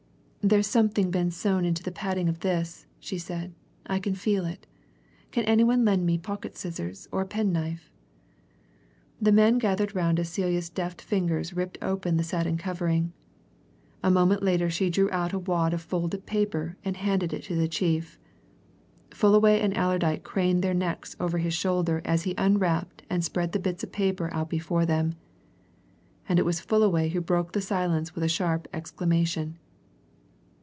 "There's something been sewn into the padding of this!" she said. "I can feel it. Can any one lend me pocket scissors or a penknife?" The men gathered round as Celia's deft fingers ripped open the satin covering: a moment later she drew out a wad of folded paper and handed it to the chief. Fullaway and Allerdyke craned their necks over his shoulders as he unwrapped and spread the bits of paper out before them. And it was Fullaway who broke the silence with a sharp exclamation.